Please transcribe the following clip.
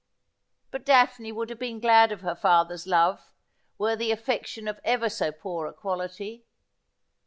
But Daphne would have been glad of her father's love, were the affection of ever so poor a quality.